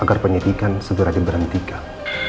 agar penyedikan segera diberhentikan